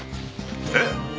えっ！？